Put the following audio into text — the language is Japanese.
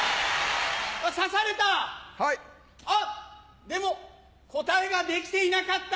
あっでも答えができていなかった。